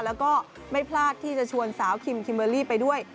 แล้วก็ไม่พลาดที่จะชวนสาวคิมคิมเบอร์รี่ไปด้วย